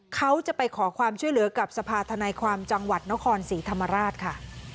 เขาจะไปขอความช่วยเหลือกับสภาธนายความจังหวัดนครศรีธรรมราชค่ะ